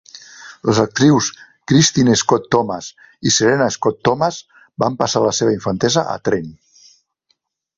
Les actrius Kristin Scott Thomas i Serena Scott Thomas van passar la seva infantesa a Trent.